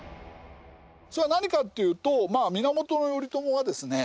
それは何かっていうと源頼朝はですね